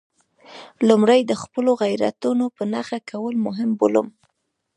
لومړی د خپلو غیرتونو په نښه کول مهم بولم.